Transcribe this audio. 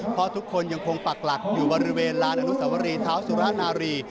เพราะทุกคนยังคงปักหลักอยู่บริเวณลานอนุสวรีเท้าสุรนารี